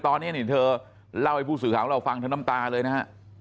ตอนนี้เธอเล่าให้ผู้สื่อของเราฟังเธอน้ำตาเลยนะฮะ